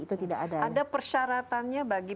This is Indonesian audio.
itu tidak ada persyaratannya bagi